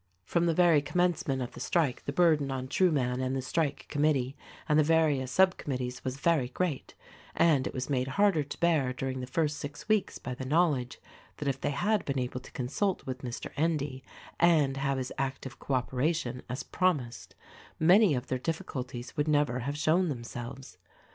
From the very commencement of the strike the burden on Trueman and the strike committee and the various sub committees was very great, and it was made harder to bear during the first six weeks by the knowledge that if they had been able to consult with Mr. Endy and have his active co operation, as promised, many of their difficulties would never have shown themselves.